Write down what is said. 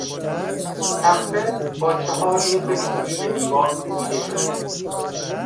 تخته با چهار میخ چوبی به دیوار کوبیده شده بود.